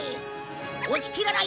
落ちきらない